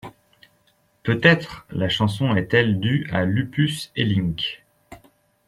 Peut-être, la chanson est-elle due à Lupus Hellinck.